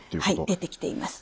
出てきています。